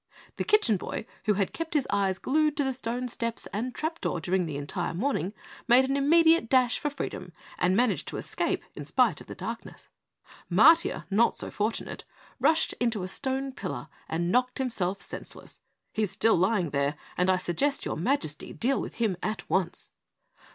The Kitchen Boy, who had kept his eyes glued to the stone steps and trapdoor during the entire morning, made an immediate dash for freedom and managed to escape in spite of the darkness. Matiah, not so fortunate, rushed into a stone pillar and knocked himself senseless. He's still lying there, and I suggest that your Majesty deal with him at once."